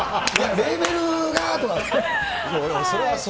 レーベルがとか。